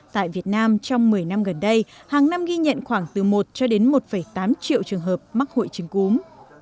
tại việt nam trong một mươi năm gần đây hàng năm ghi nhận khoảng từ một cho đến một tám triệu trường hợp mắc hội chứng cúm